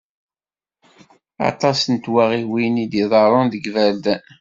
Aṭas n twaɣiyin i d-iḍerrun deg yiberdan.